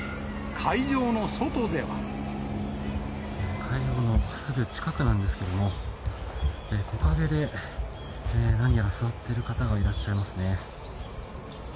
会場のすぐ近くなんですけれども、木陰で何やら座っている方がいらっしゃいますね。